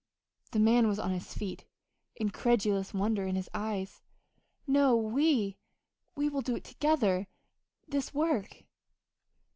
The man was on his feet, incredulous wonder in his eyes. "No. We we will do it together this work."